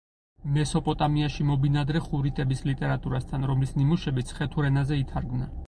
მესოპოტამიაში მობინადრე ხურიტების ლიტერატურასთან, რომლის ნიმუშებიც ხეთურ ენაზე ითარგმნა.